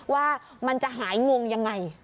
ว่ามันจะหายงงยังไง